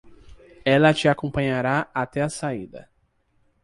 Ela te acompanhará até a saída